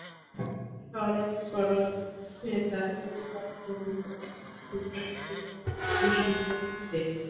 স্মরণ কর, সে তার প্রতিপালকের নিকট উপস্থিত হয়েছিল বিশুদ্ধচিত্তে।